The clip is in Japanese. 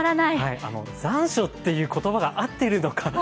残暑という言葉が合っているのか